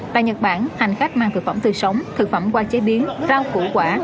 tại nhật bản hành khách mang thực phẩm tươi sống thực phẩm qua chế biến rau củ quả